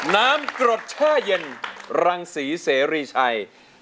น้ำกรดแช่เย็นรังศรีเสรีชัย